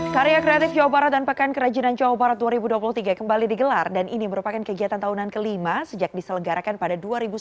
karya kreatif jawa barat dan pekan kerajinan jawa barat dua ribu dua puluh tiga kembali digelar dan ini merupakan kegiatan tahunan kelima sejak diselenggarakan pada dua ribu sembilan belas